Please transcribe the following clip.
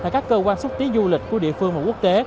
các cơ quan xúc tí du lịch của địa phương và quốc tế